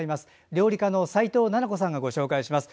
料理家の齋藤菜々子さんがご紹介します。